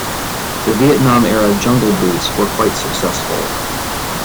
The Vietnam-era Jungle Boots were quite successful.